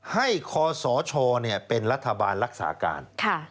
คศเป็นรัฐบาลรักษาการ